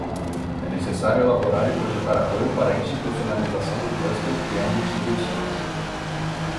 É necessário elaborar e projetar apoio para a institucionalização do cluster criando instituições.